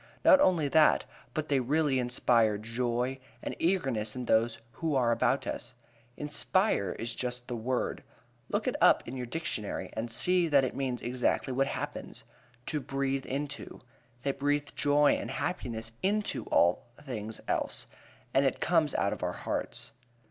Not only that, but they really inspire joy and eagerness in those who are about us. Inspire is just the word. Look it up in your dictionary and see that it means exactly what happens to breathe into they breathe joy and happiness into all things else, and it comes out of our hearts.